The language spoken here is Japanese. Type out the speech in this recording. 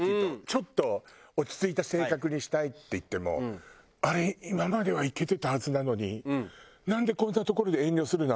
ちょっと落ち着いた性格にしたいっていっても「あれ？今まではいけてたはずなのになんでこんなところで遠慮するの？